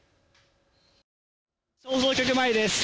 放送局前です。